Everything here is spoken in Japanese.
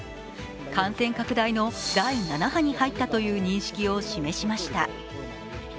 感染拡大の第７波に入ったという認識を示しました。